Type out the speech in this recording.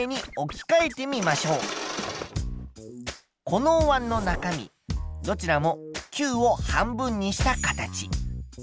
このおわんの中身どちらも球を半分にした形。